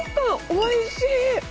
おいしい！